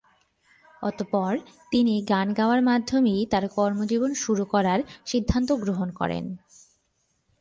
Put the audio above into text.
অতঃপর তিনি গান গাওয়ার মাধ্যমেই তার কর্মজীবন শুরু করার সিদ্ধান্ত গ্রহণ করেন।